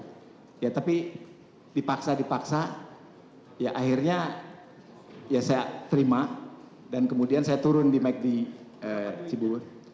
susah gue bilang ya tapi dipaksa dipaksa ya akhirnya ya saya terima dan kemudian saya turun di cibu